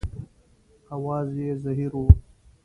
اواز یې زهیر و.